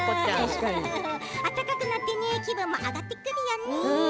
暖かくなって気分も上がってくるよね。